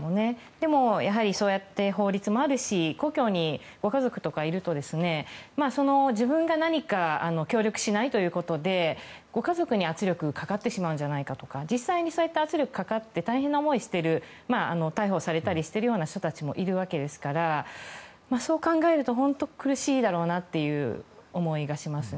でも、そうやって法律もあるし故郷にご家族とかいると自分が何か協力しないということでご家族に圧力がかかってしまうんじゃないかとか実際にそういった圧力がかかって大変な思いをしている逮捕されたりしてる人たちもいるわけですからそう考えると苦しいだろうなという思いがします。